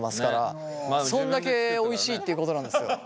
そんだけおいしいっていうことなんですよ。